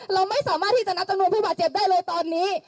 เราไม่สามารถที่จะนับจำนวนผู้บาดเจ็บได้เลยตอนนี้